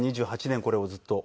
２８年これをずっと。